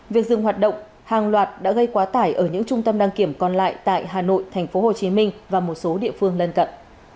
việc dừng hoạt động hàng loạt đã gây quá tải ở những trung tâm đăng kiểm còn lại tại hà nội tp hcm và một số địa phương lân cận